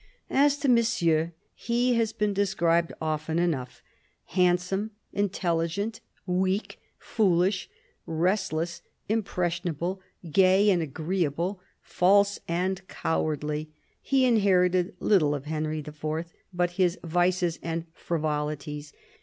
As to Monsieur, he has been described often enough. Handsome, intelligent, weak, foolish, restless, impression able, gay and agreeable, false and cowardly, he inherited little of Henry IV. but his vices and frivoUties.